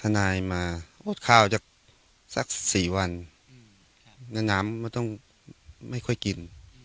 ร้องน้องดังไหมครับก็ไม่ค่อยดังหรอกอืมอืมอืมตีเพื่อนสั่งสอนอะไรอย่างงี้ใช่ไหมครับ